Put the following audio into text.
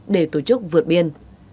để tổ chức vượt biên